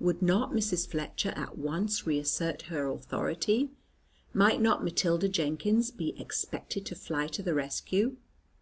Would not Mrs. Fletcher at once re assert her authority? Might not Matilda Jenkins be expected to fly to the rescue?